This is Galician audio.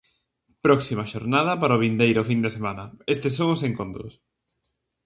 Próxima xornada para o vindeiro fin de semana estes son os encontros: